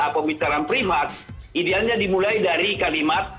pembicaraan primat idealnya dimulai dari kalimat